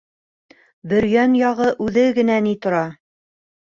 — Бөрйән яғы үҙе генә ни тора!